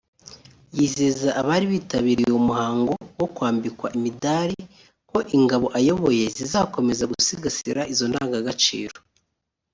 yizeza abari bitabiriye uwo muhango wo kwambikwa imidari ko ingabo ayoboye zizakomeza gusigasira izo ndangagaciro